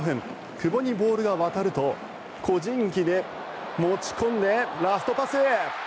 久保にボールが渡ると個人技で持ち込んでラストパス！